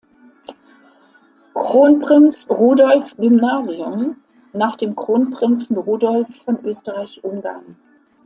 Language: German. Kronprinz Rudolf Gymnasium" nach dem Kronprinzen Rudolf von Österreich-Ungarn.